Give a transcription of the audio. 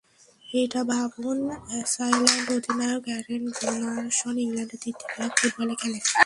এটা ভাবুন, আইসল্যান্ড অধিনায়ক, অ্যারন গুনারসন, ইংল্যান্ডের দ্বিতীয় বিভাগ ফুটবলে খেলে।